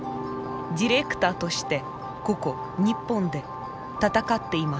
ディレクターとしてここ日本で戦っています。